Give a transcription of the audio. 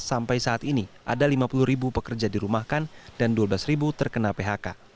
sampai saat ini ada lima puluh ribu pekerja dirumahkan dan dua belas ribu terkena phk